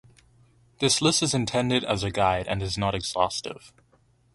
This list is intended as a guide and is not exhaustive.